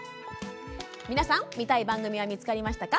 皆さん、見たい番組は見つかりましたか？